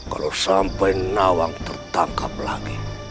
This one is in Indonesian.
kalau sampai nawang tertangkap lagi